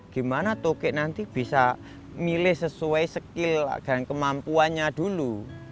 gimana toke nanti bisa milih sesuai skill dan kemampuannya dulu